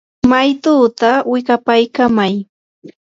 maytutaa wikapaykamay.